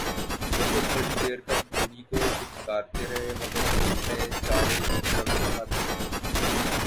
وہ خود بڑی دیر تک بھوری کو پچکارتے رہے، مگر اس نے چارے کی طرف دیکھا تک نہیں۔